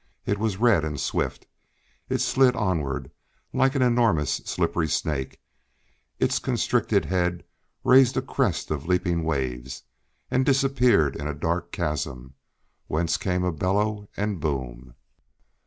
It was red and swift; it slid onward like an enormous slippery snake; its constricted head raised a crest of leaping waves, and disappeared in a dark chasm, whence came a bellow and boom.